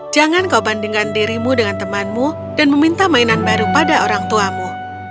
jangan kau bandingkan dirimu dengan temanmu dan meminta mainan baru pada orang tuamu